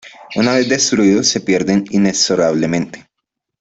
Una vez destruidos, se pierden inexorablemente.